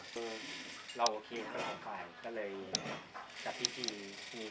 แล้วพวกเราจะมากกว่า